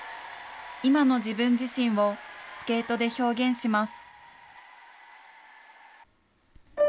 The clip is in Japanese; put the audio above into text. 今の自分自身をスケートで表現します。